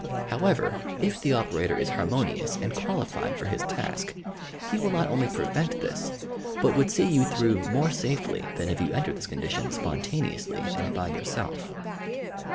However if the operator is harmonious and qualified for his task, he will not only prevent this, but would see you through more safely than if you entered this condition spontaneously and by your self.